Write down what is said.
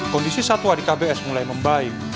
kondisi satwa di kbs mulai membaik